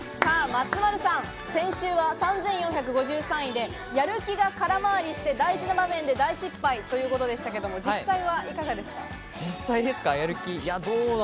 松丸さん、先週は３４５３位でやる気が空回りして、大事な場面で大失敗ということでしたけれども、実際はいかがでした？